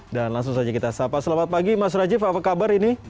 dan langsung saja kita sapa selamat pagi mas rajif apa kabar ini